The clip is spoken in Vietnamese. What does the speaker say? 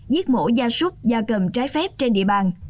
giết mổ gia súc gia cầm trái phép trên địa bàn